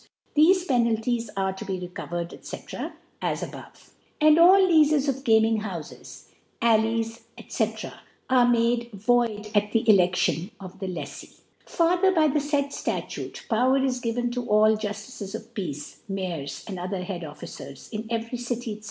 Thefe Penalties to be recovered,, (^c. as above. * And all Leafes of Gamiog houfes, AI* le/s, SSc. are made void at the Election of theLeffee.* Farther by the &id Statute, * Power is given to all Jufticcs of Peace, Mayers, or other Hkad Officers, in every City, iSc.